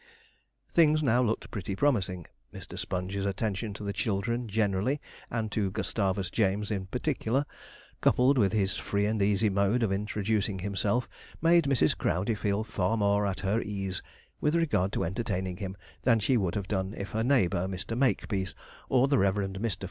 Things now looked pretty promising. Mr. Sponge's attentions to the children generally, and to Gustavus James in particular, coupled with his free and easy mode of introducing himself, made Mrs. Crowdey feel far more at her ease with regard to entertaining him than she would have done if her neighbour, Mr. Makepeace, or the Rev. Mr.